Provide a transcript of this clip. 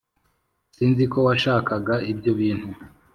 sinzi ko washakaga ibyo bintu